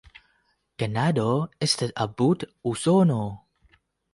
Kanado estas apud Usono.